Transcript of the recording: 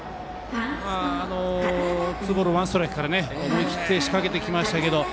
ツーボールワンストライクから思い切って仕掛けてきましたけど。